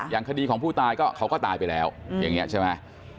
อย่างคดีของผู้ตายก็เขาก็ตายไปแล้วอย่างนี้ใช่ไหม